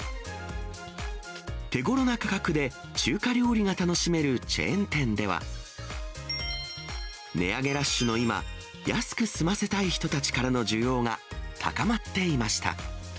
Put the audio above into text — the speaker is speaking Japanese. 手頃な価格で中華料理が楽しめるチェーン店では、値上げラッシュの今、安く済ませたい人たちからの需要が高まっていました。